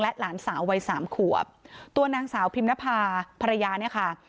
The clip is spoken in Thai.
หลานสาววัยสามขวบตัวนางสาวพิมนภาพรยาเนี่ยค่ะ